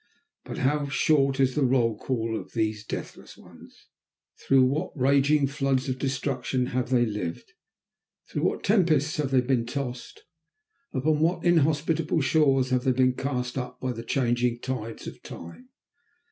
But how short is the roll call of these deathless ones! Through what raging floods of destruction have they lived, through what tempests have they been tossed, upon what inhospitable shores have they been cast up by the changing tides of time!